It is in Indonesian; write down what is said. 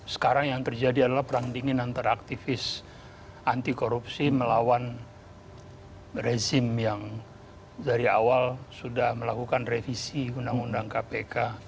sekarang yang terjadi adalah perang dingin antara aktivis anti korupsi melawan rezim yang dari awal sudah melakukan revisi undang undang kpk